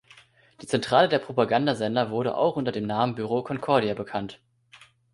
Die Zentrale der Propaganda-Sender wurde auch unter dem Namen „Büro Concordia“ bekannt.